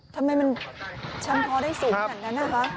ทำไมมันชำพอได้สูงณนะครับ